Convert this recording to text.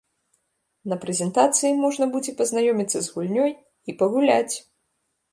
На прэзентацыі можна будзе пазнаёміцца з гульнёй і пагуляць!